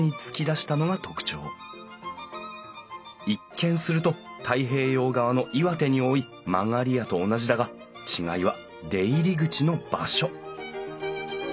一見すると太平洋側の岩手に多い曲り家と同じだが違いは出入り口の場所。